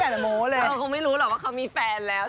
เราคงไม่รู้หรอกว่าเขามีแฟนแล้ว